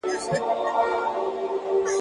په خپل حکم به سنګسار وي خپل بادار ته شرمېدلی `